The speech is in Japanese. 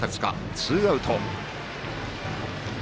ツーアウト。